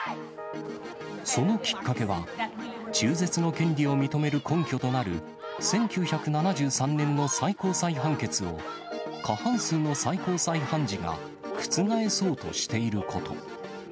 そのきっかけは、中絶の権利を認める根拠となる、１９７３年の最高裁判決を、過半数の最高裁判事が、覆そうとしていること。